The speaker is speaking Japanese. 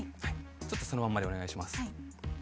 ちょっとそのまんまでお願いします